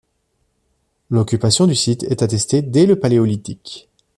L'occupation du site est attestée dès le Paléolithique.